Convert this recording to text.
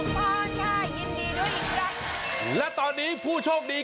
ขอบคุณค่ะขอบคุณค่ะขอบคุณค่ะ